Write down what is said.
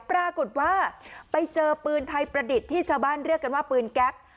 ปรากฏว่าไปเจอปืนไทยประดิษฐ์ที่ชาวบ้านเรียกกันว่าปืนแก๊ป